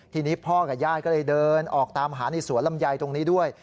ทีนี้พ่อกับญาติก็เลยเดินออกตามหาในสวนลำไยตรงนี้ด้วย